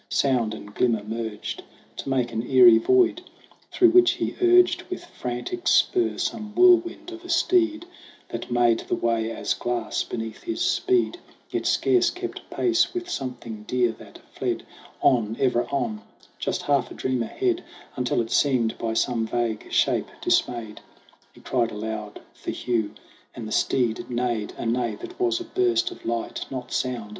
Sound and glimmer merged To make an eerie void, through which he urged With frantic spur some whirlwind of a steed That made the way as glass beneath his speed, Yet scarce kept pace with something dear that fled On, ever on just half a dream ahead : Until it seemed, by some vague shape dismayed, He cried aloud for Hugh, and the steed neighed A neigh that was a burst of light, not sound.